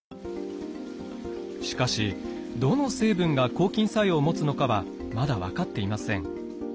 しかしどの成分が抗菌作用を持つのかはまだ分かっていません。